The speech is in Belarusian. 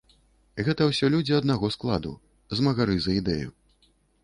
Гэта ўсё людзі аднаго складу, змагары за ідэю.